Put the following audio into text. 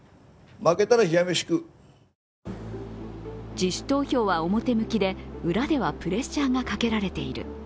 自主投票は表向きで、裏ではプレッシャーがかけられている。